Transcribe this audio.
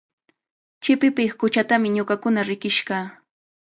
Chipipiq quchatami ñuqakuna riqish kaa.